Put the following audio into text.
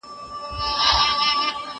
او که نه نو عاقبت به یې د خره وي